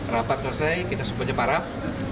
rapat selesai kita sempatnya paraf